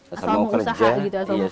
asal mau kerja ya pasti dapat hasil kayaknya